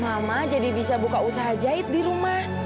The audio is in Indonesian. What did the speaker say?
mama jadi bisa buka usaha jahit di rumah